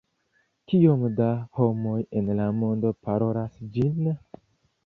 Kiom da homoj en la mondo parolas ĝin?